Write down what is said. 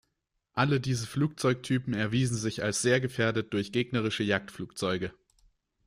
Alle diese Flugzeugtypen erwiesen sich als sehr gefährdet durch gegnerische Jagdflugzeuge.